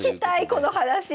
この話！